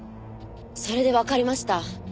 それでわかりました。